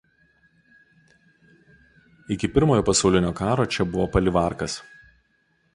Iki Pirmojo pasaulinio karo čia buvo palivarkas.